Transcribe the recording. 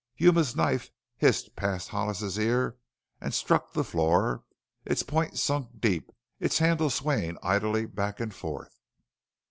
Yuma's knife hissed past Hollis's ear and struck the floor, its point sunk deep, its handle swaying idly back and forth.